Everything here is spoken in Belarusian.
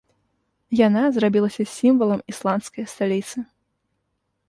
Яна зрабілася сімвалам ісландскай сталіцы.